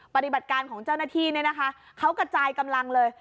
ปฏิบัติการของเจ้าหน้าที่เนี่ยนะคะเขากระจายกำลังเลย